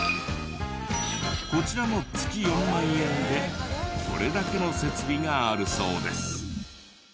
こちらも月４万円でこれだけの設備があるそうです。